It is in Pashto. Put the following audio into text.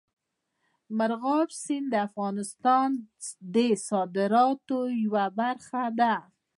مورغاب سیند د افغانستان د صادراتو یوه برخه ده.